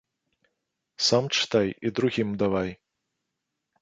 Сам чытай і другім давай.